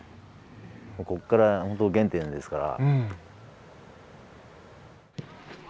ここから本当原点ですから。